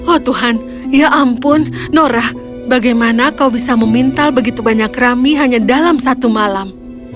oh tuhan ya ampun nora bagaimana kau bisa memintal begitu banyak rami hanya dalam satu malam